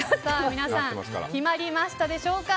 皆さん、決まりましたでしょうか。